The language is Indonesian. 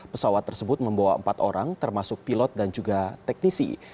pesawat tersebut membawa empat orang termasuk pilot dan juga teknisi